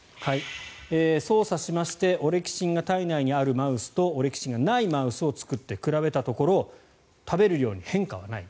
操作しましてオレキシンが体内にあるマウスとオレキシンがないマウスを作って比べたところ食べる量に変化はない。